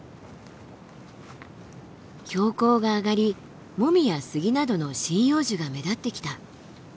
標高が上がりモミやスギなどの針葉樹が目立ってきた。